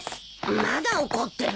まだ怒ってるの？